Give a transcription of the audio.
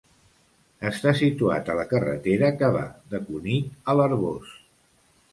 Està situat a la carretera que va de Cunit a l'Arboç.